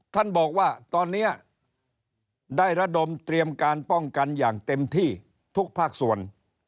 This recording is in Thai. ท่านบอกว่าตอนนี้ได้ระดมเตรียมการป้องกันอย่างเต็มที่ทุกภาคส่วน